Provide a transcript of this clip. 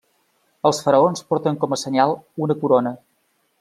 Els faraons porten com a senyal una corona.